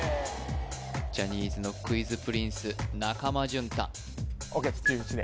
ジャニーズのクイズプリンス中間淳太オッケーです